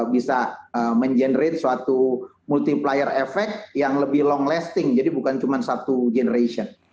bisa mengenerate suatu multiplier effect yang lebih long lasting jadi bukan cuma satu generation